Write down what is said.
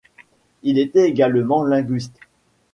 Il était également linguiste.